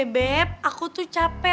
beb aku tuh capek